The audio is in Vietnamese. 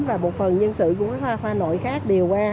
và một phần nhân sự của hoa khoa nội khác đều qua